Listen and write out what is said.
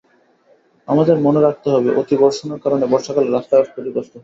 আমাদের মনে রাখতে হবে অতি বর্ষণের কারণে বর্ষাকালে রাস্তাঘাট ক্ষতিগ্রস্ত হয়।